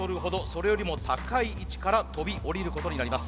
それよりも高い位置から飛び降りることになります。